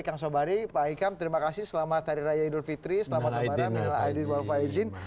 kang sobari pak hikam terima kasih selamat hari raya idul fitri selamat malam